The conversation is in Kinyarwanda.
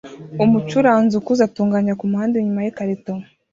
Umucuranzi ukuze atunganya kumuhanda inyuma yikarito